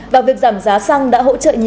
và việc giảm giá xăng đã hỗ trợ nhiều